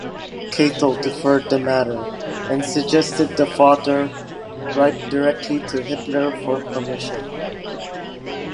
Catel deferred the matter and suggested the father write directly to Hitler for permission.